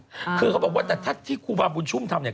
โอเคเขาบอกว่าแต่ถ้าที่ครูบาปบุญชุ่มทำ